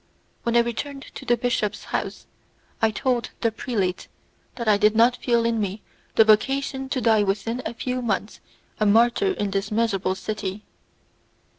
When I returned to the bishop's house I told the prelate that I did not feel in me the vocation to die within a few months a martyr in this miserable city.